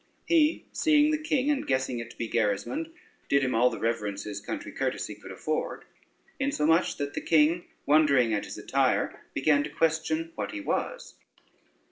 He, seeing the king, and guessing it to be Gerismond, did him all the reverence his country courtesy could afford; insomuch that the king, wondering at his attire, began to question what he was.